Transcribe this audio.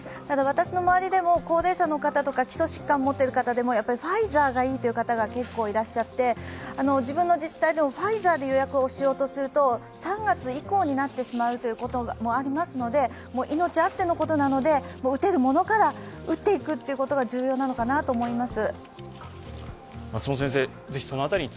ただ、私の周りでも高齢者の方とか基礎疾患を持っている方でもやはりファイザーがいいという方が多くて自分の自治体でもファイザーで予約をしようとすると、３月以降になってしまうということもありますので命あってのことなので、打てるものから打っていくことが重要なのかなと思います。